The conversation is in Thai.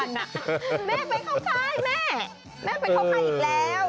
แม่ไปเข้าค่ายแม่แม่ไปเข้าใครอีกแล้ว